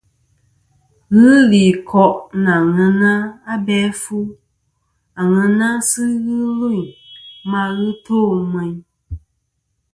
Ghɨ li koʼ nɨ aŋena abe afu, aŋena na sɨ ghɨ lvɨyn ma ghɨ to meyn.